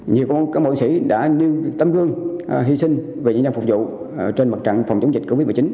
nhiều cán bộ chiến sĩ đã như tấm gương hy sinh về nhân dân phục vụ trên mặt trận phòng chống dịch covid một mươi chín